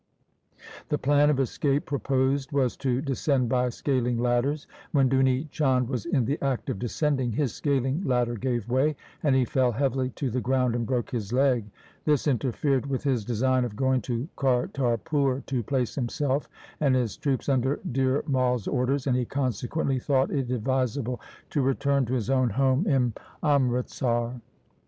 The plan of escape pro posed was to descend by scaling ladders. When Duni Chand was in the act of descending, his scaling ladder gave way, and he fell heavily to the ground and broke his leg. This interfered with his design of going to Kartarpur to place himself and his troops under Dhir Mai's orders, and he consequently thought it advisable to return to his own home in Amritsar.